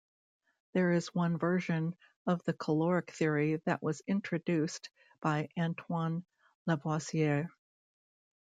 There is one version of the caloric theory that was introduced by Antoine Lavoisier.